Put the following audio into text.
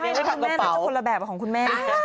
ใช้คำแม่น่าจะคนละแบบของคุณแม่